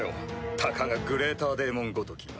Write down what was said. たかがグレーターデーモンごときが。